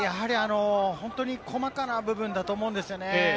細かな部分だと思うんですよね。